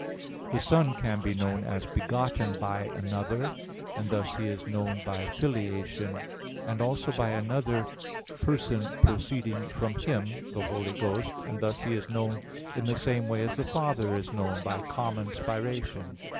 The Son can be known as begotten by another, and thus He is known by "filiation"; and also by another person proceeding from Him, the Holy Ghost, and thus He is known in the same way as the Father is known, by "common spiration."